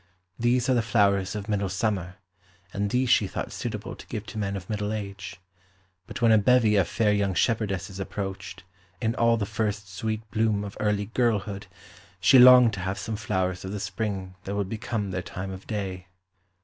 These are the flowers of middle summer, and these she thought suitable to give to men of middle age. But when a bevy of fair young shepherdesses approached, in all the first sweet bloom of early girlhood, she longed to have some flowers of the spring that would become their time of day.